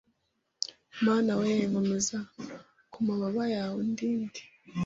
Mana we nkomeza ku mababa yawe undinde